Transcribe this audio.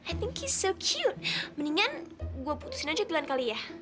i think he's so cute mendingan gue putusin aja duluan kali ya